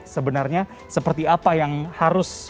sebenarnya seperti apa yang harus